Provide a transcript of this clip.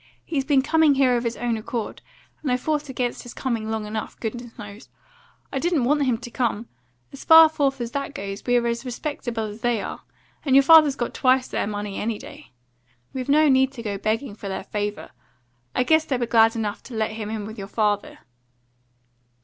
He's been coming here of his own accord, and I fought against his coming long enough, goodness knows. I didn't want him to come. And as far forth as that goes, we're as respectable as they are; and your father's got twice their money, any day. We've no need to go begging for their favour. I guess they were glad enough to get him in with your father."